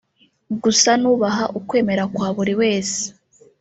gusa nubaha ukwemera kwa buri wese